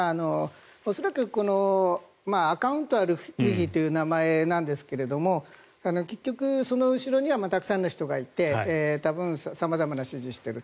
恐らくアカウントはルフィという名前なんですが結局その後ろにはたくさんの人がいて多分、様々な指示をしていると。